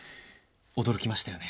驚きましたよね。